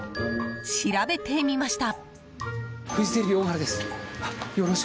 調べてみました。